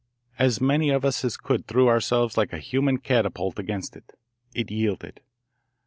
As many of us as could threw ourselves like a human catapult against it. It yielded.